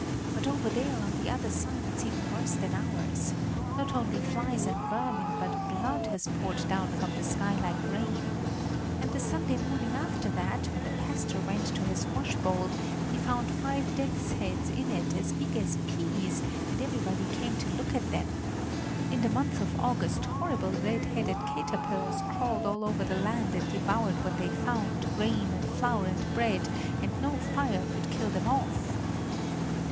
But over there, on the other side, it's even worse than ours. Not only flies and vermin, but blood has poured down from the sky like rain. And the Sunday morning after that, when the pastor went to his washbowl, he found five death's heads in it, as big as peas, and everybody came to look at them. In the month of August horrible red headed caterpillars crawled all over the land and devoured what they found, grain and flour and bread, and no fire could kill them off."